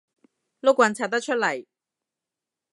碌棍拆得出嚟